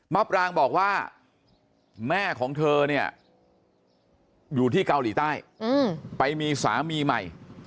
ปรางบอกว่าแม่ของเธอเนี่ยอยู่ที่เกาหลีใต้ไปมีสามีใหม่